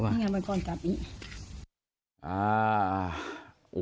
มันก่อนกลับอีก